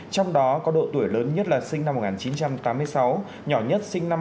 trong đó có độ tuổi lớn nhất là sinh năm một nghìn chín trăm tám mươi sáu nhỏ nhất sinh năm hai nghìn một mươi chín